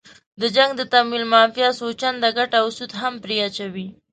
د جنګ د تمویل مافیا څو چنده ګټه او سود هم پرې اچوي.